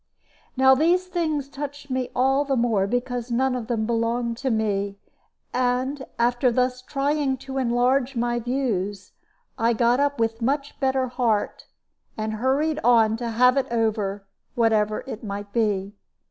Now these things touched me all the more because none of them belonged to me; and, after thus trying to enlarge my views, I got up with much better heart, and hurried on to have it over, whatever it might be.